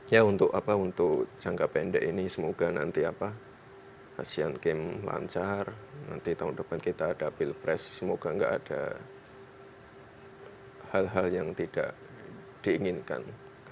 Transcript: ya untuk jangka pendek ini semoga nanti asian games lancar nanti tahun depan kita ada pilpres semoga nggak ada hal hal yang tidak diinginkan